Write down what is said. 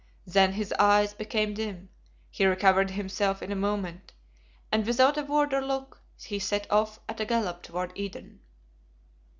Then his eyes became dim; he recovered himself in a moment, and without a word or look, set off at a gallop toward Eden.